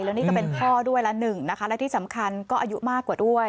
แล้วนี่ก็เป็นพ่อด้วยละหนึ่งนะคะและที่สำคัญก็อายุมากกว่าด้วย